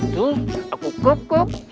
tuh aku kukuk